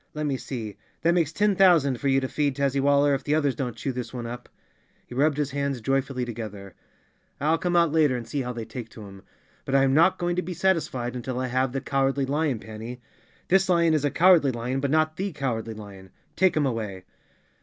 Let me see, that makes ten thousand for you to feed, Tazzywaller, if the others don't chew this one up." He rubbed his hands joyfully together. "I'll come out later on and see how they take to him. But I am not going to be satisfied until I have the Cowardly Lion, Panny. This lion is a cowardly lion but not the Cow¬ ardly Lion. Take him away!"